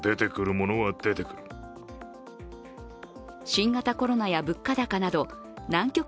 新型コロナや物価高など難局